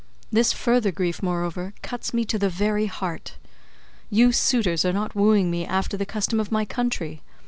This further grief, moreover, cuts me to the very heart. You suitors are not wooing me after the custom of my country.